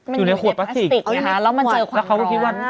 มันอยู่ในขวดพลาสติกแล้วมันเจอความร้อน